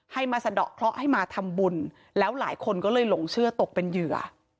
มาสะดอกเคราะห์ให้มาทำบุญแล้วหลายคนก็เลยหลงเชื่อตกเป็นเหยื่อ